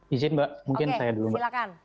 izin mbak mungkin saya dulu mbak